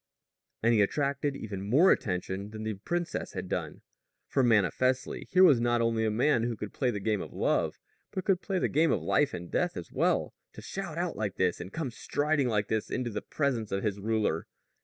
And he attracted even more attention than the princess had done; for, manifestly, here was not only a man who could play the game of love, but could play the game of life and death as well to shout out like this, and come striding like this into the presence of his ruler.